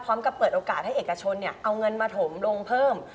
เปิดโอกาสให้เอกชนเอาเงินมาถมลงเพิ่ม